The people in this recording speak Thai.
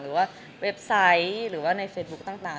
เว็บไซต์หรือว่าในเฟซบุ๊คต่าง